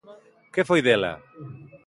Que foi dela?